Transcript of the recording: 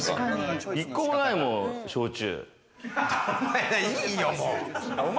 １個もないもん、焼酎。